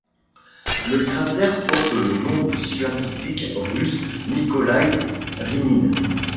Le cratère porte le nom du scientifique russe Nikolaï Rynine.